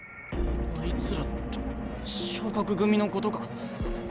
あいつらって昇格組のことか？